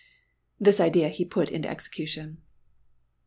This idea he put into execution.